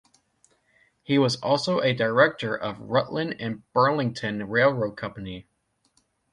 He was also a director of the Rutland and Burlington Railroad Company.